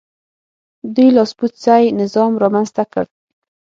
دوی لاسپوڅی نظام رامنځته کړ.